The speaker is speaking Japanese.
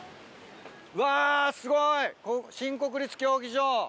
うわー、すごい！新国立競技場。